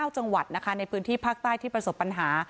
๙จังหวัดนะคะในพื้นที่ภาคใต้ที่ประสบปัญหา